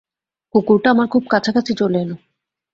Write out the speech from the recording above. কুকুরটা আমার খুব কাছাকাছি চলে এল।